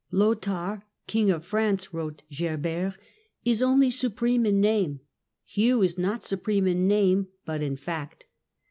" Lothair, King of France," wrote Gerbert, " is only supreme in name ; Hugh is not supreme in name, but in fact."